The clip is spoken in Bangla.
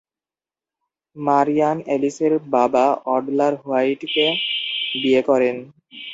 মারিয়ান অ্যালিসের বাবা অডলার হোয়াইটকে বিয়ে করেন।